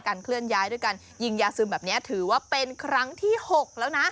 เคลื่อนย้ายด้วยการยิงยาซึมแบบนี้ถือว่าเป็นครั้งที่๖แล้วนะ